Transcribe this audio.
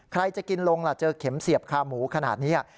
ใครจะกินลงล่ะเจอเข็มเสียบคาหมูขนาดนี้